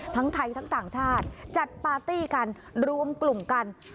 ทั้งไทยทั้งต่างชาติจัดปาร์ตี้กันรวมกลุ่มกัน